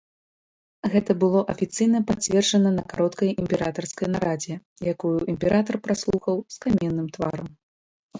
Гэта было афіцыйна пацверджана на кароткай імператарскай нарадзе, якую імператар праслухаў з каменным тварам.